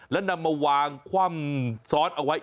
แล้วนำมาวางคว่ำซ้อนเอาไว้